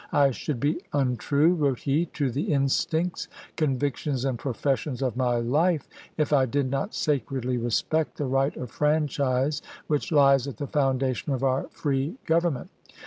"I should be untrue," wrote he, "to the instincts, convictions, and professions of my life if I did not sacredly respect the right of franchise which lies at the foundation of our free govern ment.